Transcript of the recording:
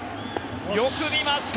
よく見ました！